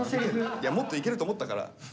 いやもっといけると思ったから。